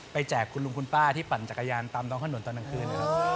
ไปแจกคุณลุงคุณป้าที่ปั่นจักรยานตามต่อขนวนตอนนางคืน